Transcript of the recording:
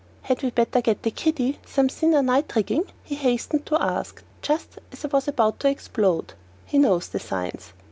"Had we better get the kiddie some thinner night rigging?" he hastened to ask as I was just about to explode. He knows the signs.